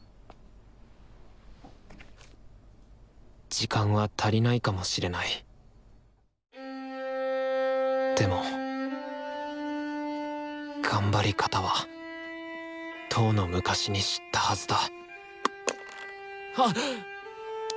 時間は足りないかもしれないでも頑張り方はとうの昔に知ったはずだはっ！